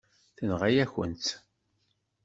Tenɣa-yakent-tt.